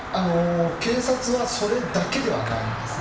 警察はそれだけではないんですね。